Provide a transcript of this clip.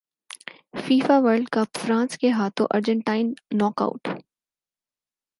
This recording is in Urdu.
فیفاورلڈ کپ فرانس کے ہاتھوں ارجنٹائن ناک اٹ